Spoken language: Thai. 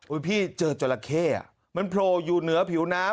อุ้ยพี่เจอจอหละเข้อ่ะมันโพลอยู่เหนือผิวน้ำ